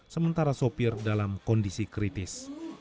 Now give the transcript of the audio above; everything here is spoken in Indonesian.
sementara sopir dalam kondisi kritis